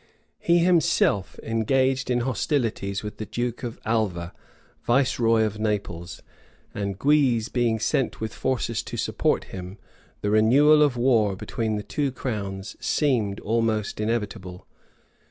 He himself engaged in hostilities with the duke of Alva, viceroy of Naples; and Guise being sent with forces to support him, the renewal of war between the two crowns seemed almost inevitable.